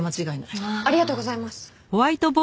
ありがとうございます。